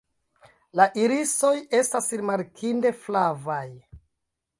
La irisoj estas rimarkinde flavaj.